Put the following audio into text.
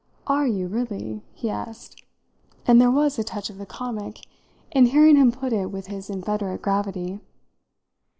"Are you really?" he asked and there was a touch of the comic in hearing him put it with his inveterate gravity.